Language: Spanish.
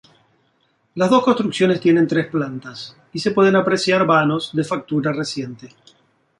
Las dos construcciones tienen tres plantas y se pueden apreciar vanos de factura reciente.